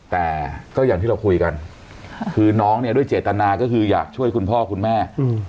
แต่ก็อย่างที่เราคุยกันคือน้องเนี่ยด้วยเจตนาก็คืออยากช่วยคุณพ่อคุณแม่